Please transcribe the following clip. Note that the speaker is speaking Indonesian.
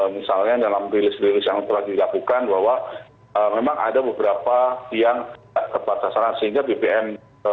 misalnya dalam rilis rilis yang telah dilakukan bahwa memang ada beberapa yang tidak tepat sasaran sehingga bbm